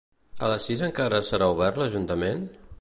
A les sis encara serà obert l'Ajuntament?